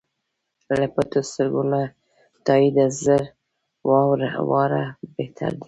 له پټو سترګو له تاییده زر واره بهتر دی.